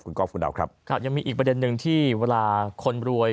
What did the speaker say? คุณก๊อฟคุณดาวครับครับยังมีอีกประเด็นหนึ่งที่เวลาคนรวย